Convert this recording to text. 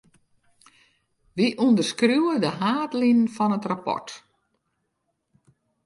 Wy ûnderskriuwe de haadlinen fan it rapport.